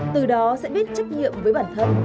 từ đó sẽ biết trách nhiệm với bản thân